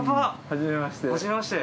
初めまして。